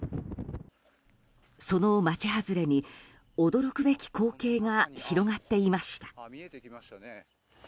その町外れに驚くべき光景が広がっていました。